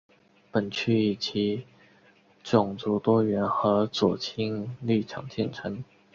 本区以其种族多元和左倾立场见称。